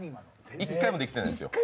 １回もできてないですか。